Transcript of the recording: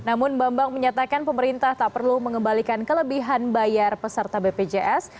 namun bambang menyatakan pemerintah tak perlu mengembalikan kelebihan bayar peserta bpjs